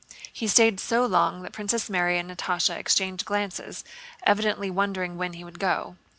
He stayed so long that Princess Mary and Natásha exchanged glances, evidently wondering when he would go.